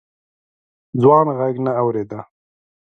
ځوان غږ نه اورېده.